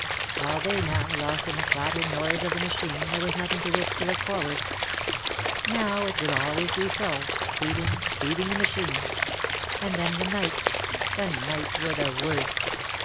All day now lost in the clattering noise of the machine there was nothing to which to look forward. Now it would always be so, feeding, feeding the machine. And then the night. The nights were the worst.